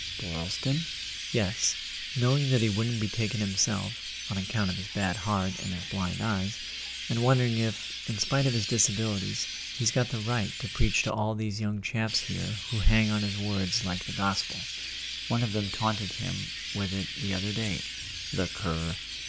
"Boylston?" "Yes. Knowing that he wouldn't be taken himself, on account of his bad heart and his blind eyes, and wondering if, in spite of his disabilities, he's got the [ 323 ] A SON AT THE FRONT right to preach to all these young chaps here who hang on his words like the gospel. One of them taunted him with it the other day." "The cur!"